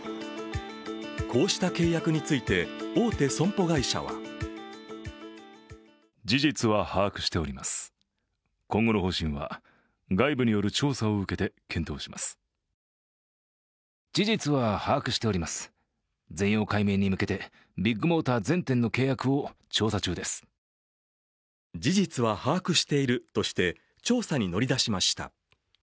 こうした契約について、大手損保会社は事実は把握しているとして調査に乗り出しました。